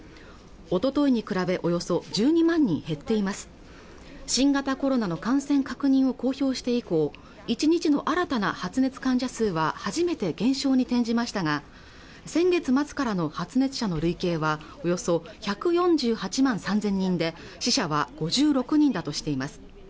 おとといに比べおよそ１２万人減っています新型コロナの感染確認を公表して以降１日の新たな発熱患者数は初めて減少に転じましたが先月末からの発熱者の累計はおよそ１４８万３０００人で死者は５６人だとしています